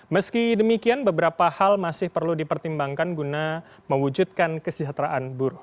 meski demikian beberapa hal masih perlu dipertimbangkan guna mewujudkan kesejahteraan buruh